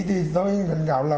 thì tôi khuyến cáo là